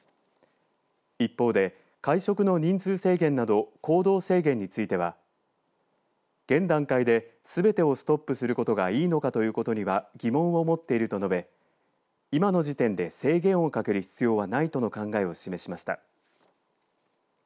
一方で、会食の人数制限など行動制限については現段階で、すべてをストップすることがいいのかということには疑問を持っていると述べ今の時点で制限をかける必要はないとの考えを示しました。